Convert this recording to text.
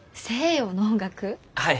はい。